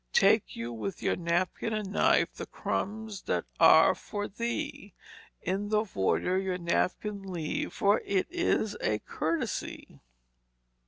Take you with your napkin & knyfe the croms that are fore the, In the Voyder your Napkin leave for it is a curtesye."